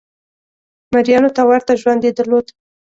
مریانو ته ورته ژوند یې درلود.